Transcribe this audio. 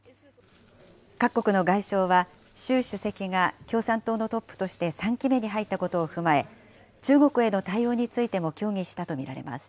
各国の外相は、習主席が共産党のトップとして３期目に入ったことを踏まえ、中国への対応についても協議したと見られます。